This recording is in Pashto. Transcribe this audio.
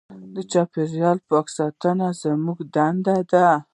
د چاپېریال پاک ساتل زموږ دنده ده.